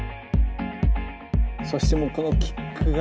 そしてもうこのキックがね。